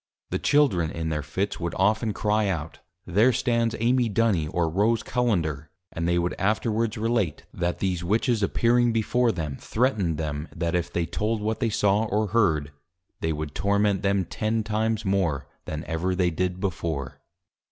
_ The Children in their Fits would often Cry out, There stands Amy Duny, or Rose Cullender; and they would afterwards relate, _That these Witches appearing before them, threatned them, that if they told what they saw or heard, they would Torment them ten times more than ever they did before.